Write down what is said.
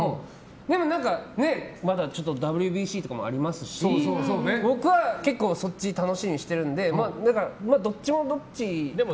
でも、まだＷＢＣとかもありますし僕は結構そっちを楽しみにしているのでどっちもどっち。